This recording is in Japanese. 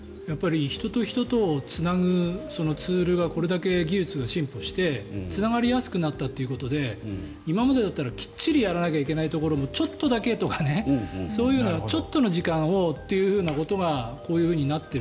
人と人とをつなぐツールがこれだけ技術が進歩してつながりやすくなったということで今までだったら、きっちりやらなきゃいけないところもちょっとだけとか、そういうちょっとの時間をっていうことがこういうふうになって。